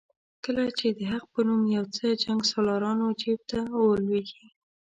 کله چې د حق په نوم یو څه جنګسالارانو جیب ته ولوېږي.